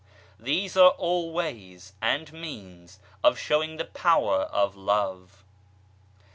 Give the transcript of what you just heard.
These are all ways and means of showing the power of Love.